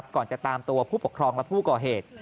จะตามตัวผู้ปกครองและผู้ก่อเหตุ